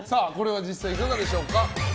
実際いかがでしょうか？